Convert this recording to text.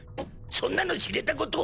そんなの知れたこと！